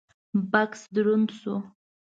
بکس دروند شو: